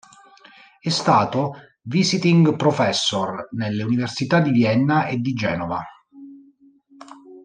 È stato “visiting professor” nelle università di Vienna e di Genova.